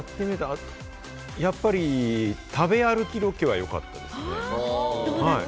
やっぱり、食べ歩きロケは良かったですね。